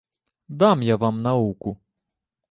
Дам я вам науку!